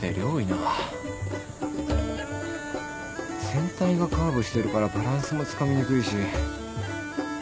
船体がカーブしてるからバランスもつかみにくいし。